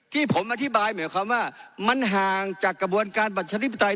ที่ผมอธิบายหมายความว่ามันห่างจากกระบวนการประชาธิปไตย